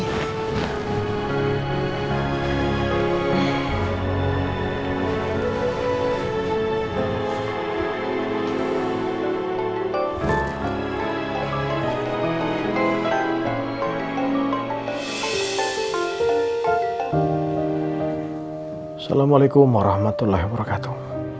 assalamualaikum warahmatullahi wabarakatuh